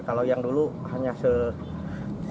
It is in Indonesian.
kalau yang dulu hanya sekitar